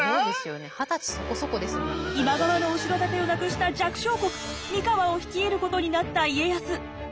今川の後ろ盾をなくした弱小国三河を率いることになった家康。